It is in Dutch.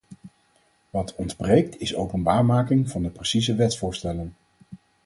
Wat ontbreekt is openbaarmaking van de precieze wetsvoorstellen.